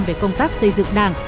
về công tác xây dựng đảng